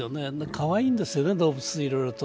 かわいいんですよね、動物、いろいろと。